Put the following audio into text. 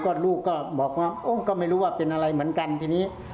ก็ลูกก็บอกว่าโอ้ก็ไม่รู้ว่าเป็นอะไรเหมือนกันทีนี้